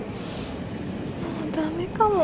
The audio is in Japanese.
もう駄目かも。